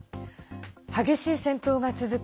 激しい戦闘が続く